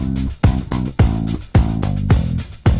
มีวันหยุดเอ่ออาทิตย์ที่สองของเดือนค่ะ